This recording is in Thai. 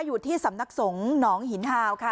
อยู่ที่สำนักสงฆ์หนองหินฮาวค่ะ